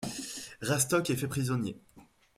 Rastok est fait prisonnier.